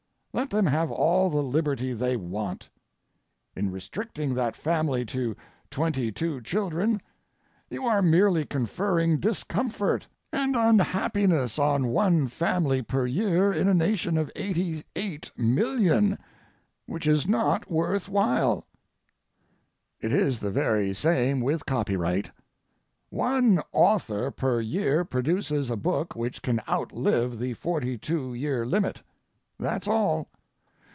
Let them have all the liberty they want. In restricting that family to twenty two children you are merely conferring discomfort and unhappiness on one family per year in a nation of 88,000,000, which is not worth while." It is the very same with copyright. One author per year produces a book which can outlive the forty two year limit; that's all.